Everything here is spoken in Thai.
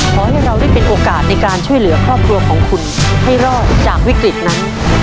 ขอให้เราได้เป็นโอกาสในการช่วยเหลือครอบครัวของคุณให้รอดจากวิกฤตนั้น